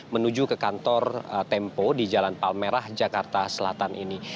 menuju ke kantor tempo di jalan palmerah jakarta selatan ini